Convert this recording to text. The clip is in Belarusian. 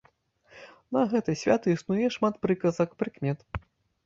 На гэта свята існуе шмат прыказак, прыкмет.